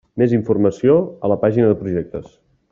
Més informació: a la pàgina de projectes.